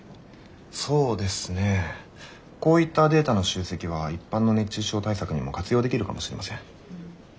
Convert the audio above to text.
そうですねこういったデータの集積は一般の熱中症対策にも活用できるかもしれません。